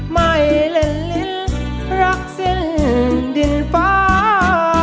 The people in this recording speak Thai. ไม่เล่นลิ้นรักสิ้นดินฟ้า